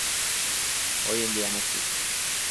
Hoy en día no existe.